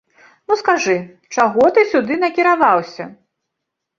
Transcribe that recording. Ну, а скажы, чаго ты сюды накіраваўся?